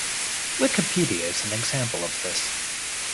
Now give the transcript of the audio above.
Wikipedia is an example of this.